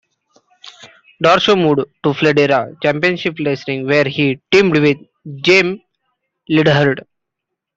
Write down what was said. Darsow moved on to Florida Championship Wrestling where he teamed with Jim Neidhart.